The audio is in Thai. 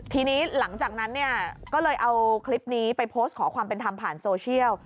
ทีนี้หลังจากนั้นเนี่ยก็เลยเอาคลิปนี้ไปโพสต์ขอความเป็นธรรมผ่านโซเชียล